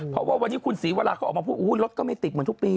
เพราะว่าวันนี้คุณศรีวราเขาออกมาพูดรถก็ไม่ติดเหมือนทุกปี